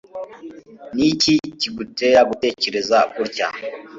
Niki kigutera gutekereza gutya